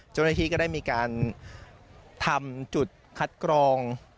เจ้าหน้าที่ก็ได้มีการทำจุดคัดกรอง